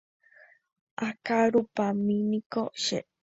akarupámaniko che.